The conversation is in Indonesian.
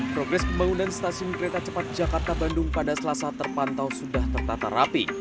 progres pembangunan stasiun kereta cepat jakarta bandung pada selasa terpantau sudah tertata rapi